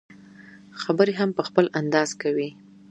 خبرې هم په خپل انداز کوي.